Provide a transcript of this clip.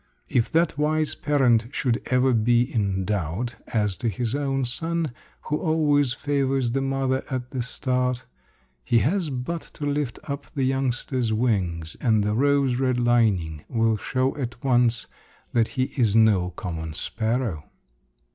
If that wise parent should ever be in doubt as to his own son, who always favors the mother at the start, he has but to lift up the youngster's wings, and the rose red lining will show at once that he is no common sparrow.